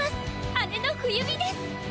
姉の冬美です！